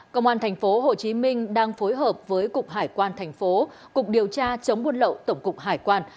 cơ quan thành phố hồ chí minh đang phối hợp với cục hải quan thành phố cục điều tra chống quân lậu tổng cục hải quan